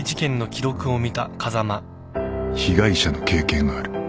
被害者の経験がある。